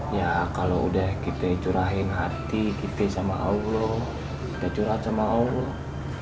ya kalau udah kita curahin hati kita sama allah kita curhat sama allah